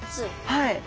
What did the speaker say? はい。